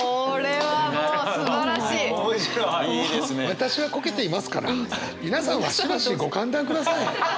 私はこけていますから皆さんはしばしご歓談ください。